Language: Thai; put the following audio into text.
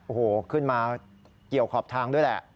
โอ้โหขึ้นมาเกี่ยวขอบทางด้วยแหละ